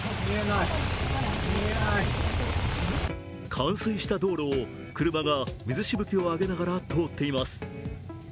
冠水した道路を車が水しぶきを上げながら通っています。